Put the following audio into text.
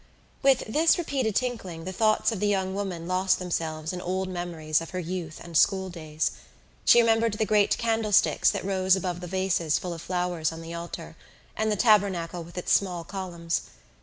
With this repeated tinkling the thoughts of the young woman lost themselves in old memories of her youth and school days. She remembered the great candlesticks that rose above the vases full of flowers on the altar, and the tabernacle with its small columns.